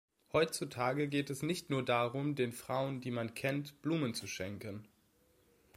Heutzutage geht es nicht nur darum, den Frauen, die man kennt, Blumen zu schenken.